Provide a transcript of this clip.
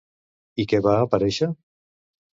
I què va aparèixer?